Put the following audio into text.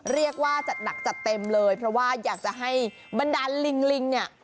เรียกว่าจัดหนักจัดเต็มเลยเพราะว่าอยากจะให้บรรดาลลิงลิงเนี่ย